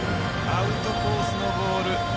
アウトコースのボール。